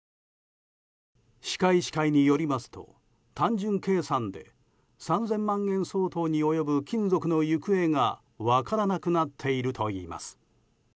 歯科医師会によりますと単純計算で３０００万円相当に及ぶ金属の行方が分からなくなっているといいます。